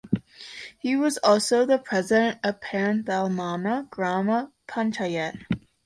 He was also the President of Perinthalmanna Grama Panchayat.